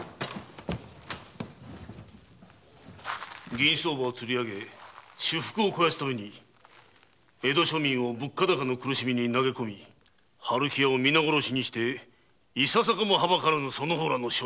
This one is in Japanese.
銀相場をつりあげ私腹を肥やすために江戸庶民を物価高の苦しみに投げこみ春喜屋を皆殺しにしていささかもはばからぬその方らの所業